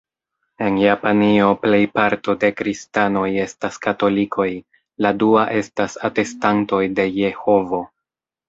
En Japanio, plejparto de Kristanoj estas Katolikoj, la dua estas Atestantoj de Jehovo.